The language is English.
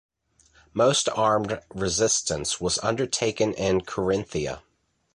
Most armed resistance was undertaken in Carinthia.